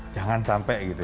jangan sampai gitu